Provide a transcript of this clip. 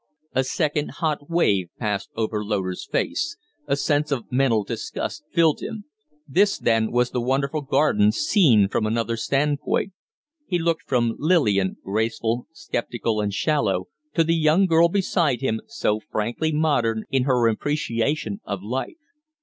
A second hot wave passed over Loder's face; a sense of mental disgust filled him. This, then, was the wonderful garden seen from another stand point! He looked from Lillian, graceful, sceptical, and shallow, to the young girl beside him, so frankly modern in her appreciation of life.